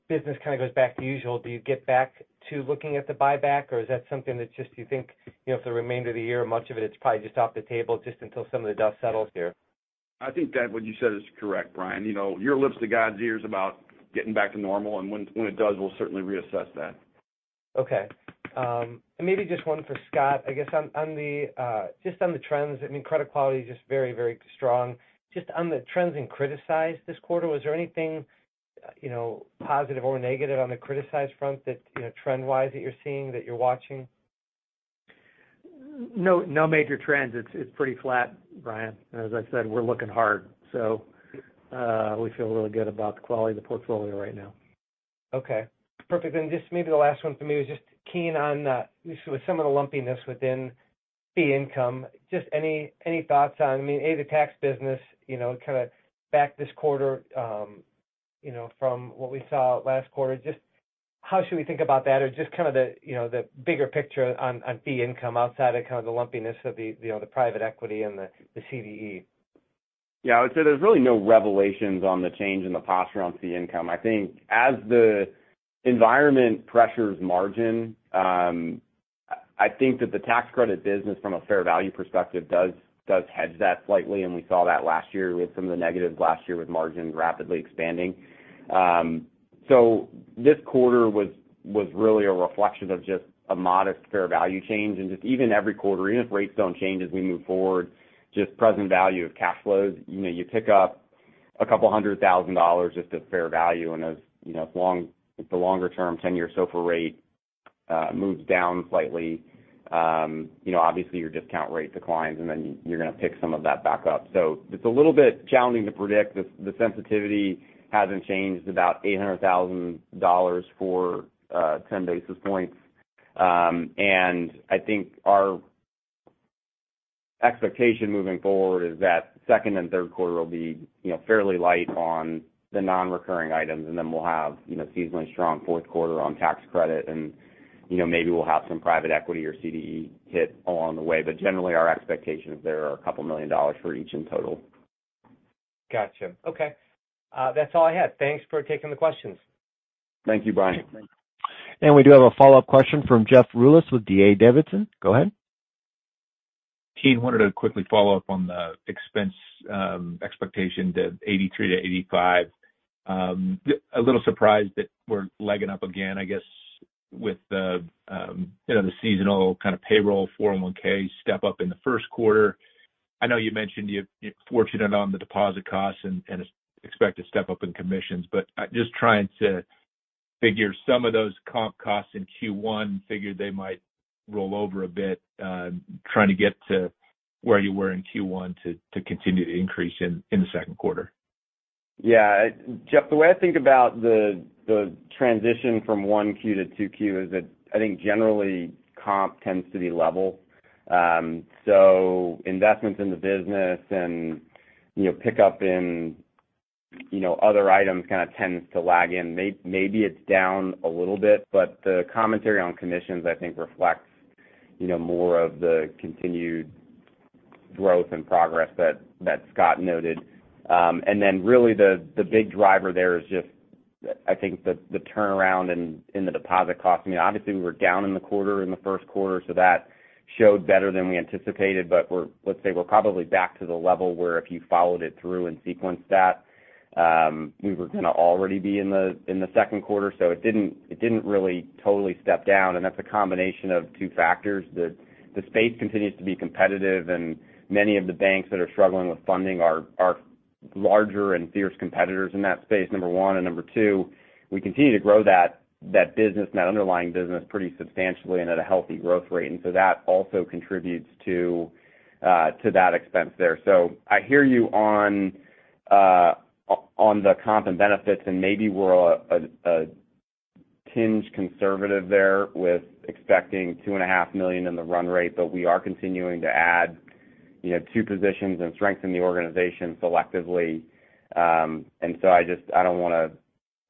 business kind of goes back to usual, do you get back to looking at the buyback, or is that something that just you think, you know, for the remainder of the year, much of it's probably just off the table just until some of the dust settles here? I think that what you said is correct, Brian. You know, your lips to God's ears about getting back to normal. When it does, we'll certainly reassess that. Okay. Maybe just one for Scott. I guess on the, just on the trends, I mean, credit quality is just very strong. Just on the trends in criticized this quarter, was there anything, you know, positive or negative on the criticized front that, you know, trend-wise that you're seeing, that you're watching? No, no major trends. It's pretty flat, Brian. As I said, we're looking hard. We feel really good about the quality of the portfolio right now. Okay. Perfect. Just maybe the last one for me was just Keene on with some of the lumpiness within fee income, just any thoughts on, I mean, A, the tax business, you know, kind of back this quarter, you know, from what we saw last quarter, just how should we think about that? Or just kind of the, you know, the bigger picture on fee income outside of kind of the lumpiness of the, you know, the private equity and the CDE. I would say there's really no revelations on the change in the posture on fee income. I think as the environment pressures margin, I think that the tax credit business from a fair value perspective does hedge that slightly, and we saw that last year with some of the negatives last year with margin rapidly expanding. This quarter was really a reflection of just a modest fair value change. Just even every quarter, even if rates don't change as we move forward, just present value of cash flows, you know, you pick up $200,000 just at fair value. As, you know, if the longer-term 10-year SOFR moves down slightly, you know, obviously your discount rate declines, you're gonna pick some of that back up. It's a little bit challenging to predict. The sensitivity hasn't changed about $800,000 for 10 basis points. I think our expectation moving forward is that second and third quarter will be, you know, fairly light on the non-recurring items, and then we'll have, you know, seasonally strong fourth quarter on tax credit and, you know, maybe we'll have some private equity or CDE hit along the way. Generally, our expectation is there are $2 million for each in total. Gotcha. Okay. That's all I had. Thanks for taking the questions. Thank you, Brian. We do have a follow-up question from Jeffrey Rulis with D.A. Davidson. Go ahead. Keene, wanted to quickly follow up on the expense expectation to $83 million-$85 million. A little surprised that we're legging up again, I guess, with the, you know, the seasonal kind of payroll 401(k) step up in the first quarter. I know you mentioned you're fortunate on the deposit costs and expect to step up in commissions. I'm just trying to figure some of those comp costs in Q1, figure they might roll over a bit, trying to get to where you were in Q1 to continue to increase in the second quarter. Yeah. Jeff, the way I think about the transition from 1Q to 2Q is that I think generally comp tends to be level. Investments in the business and, you know, pickup in, you know, other items kind of tends to lag. Maybe it's down a little bit, the commentary on commissions I think reflects, you know, more of the continued growth and progress that Scott noted. Really the big driver there is just, I think the turnaround in the deposit cost. I mean, obviously we were down in the quarter, in the first quarter, that showed better than we anticipated. Let's say we're probably back to the level where if you followed it through and sequenced that, we were gonna already be in the second quarter. It didn't really totally step down. That's a combination of two factors. The space continues to be competitive, and many of the banks that are struggling with funding are larger and fierce competitors in that space, number one. Number two, we continue to grow that business, that underlying business pretty substantially and at a healthy growth rate. That also contributes to that expense there. I hear you on on the comp and benefits, and maybe we're a tinge conservative there with expecting two and a half million dollars in the run rate. We are continuing to add, you know, two positions and strengthen the organization selectively. I just I don't wanna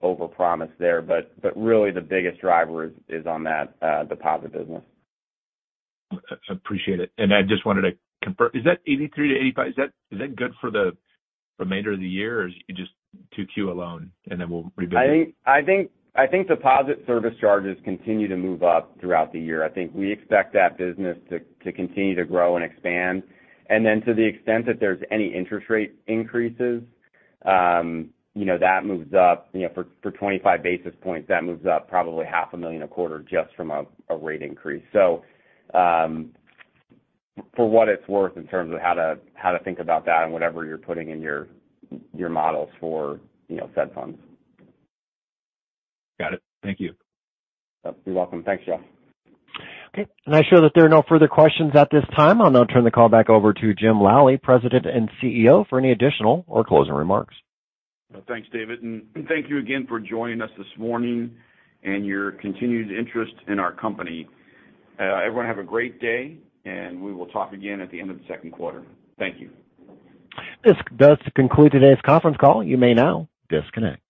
overpromise there. Really the biggest driver is on that deposit business. appreciate it. I just wanted to confirm, is that 83-85, is that good for the remainder of the year, or is it just 2Q alone, and then we'll rebuild it? I think deposit service charges continue to move up throughout the year. I think we expect that business to continue to grow and expand. To the extent that there's any interest rate increases, you know, that moves up, you know, for 25 basis points, that moves up probably half a million a quarter just from a rate increase. For what it's worth in terms of how to think about that and whatever you're putting in your models for, you know, Federal Funds. Got it. Thank you. You're welcome. Thanks, Jeff. Okay. I show that there are no further questions at this time. I'll now turn the call back over to Jim Lally, President and CEO, for any additional or closing remarks. Thanks, David. Thank you again for joining us this morning and your continued interest in our company. Everyone have a great day, and we will talk again at the end of the second quarter. Thank you. This does conclude today's conference call. You may now disconnect.